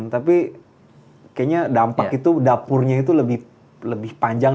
tapi kayaknya dampak itu dapurnya itu lebih panjang